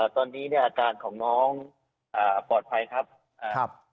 ตอนนี้อาการของน้องปลอดภัยครับ